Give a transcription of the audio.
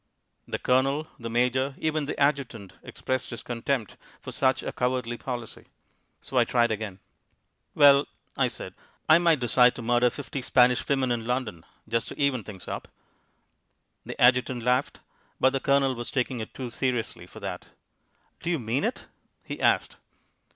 The Colonel, the Major, even the Adjutant, expressed his contempt for such a cowardly policy. So I tried again. "Well," I said, "I might decide to murder fifty Spanish women in London, just to even things up." The Adjutant laughed. But the Colonel was taking it too seriously for that. "Do you mean it?" he asked.